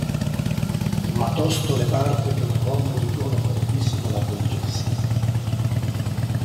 Ma tosto le parve che un rombo di tuono fortissimo l'avvolgesse.